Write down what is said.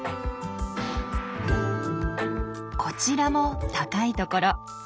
こちらも高い所。